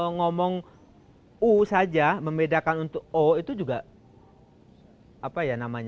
ngomong u saja membedakan untuk o itu juga